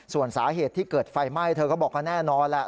ส่วนสาเหตุที่เกิดไฟไหม้เธอก็บอกว่าแน่นอนแหละ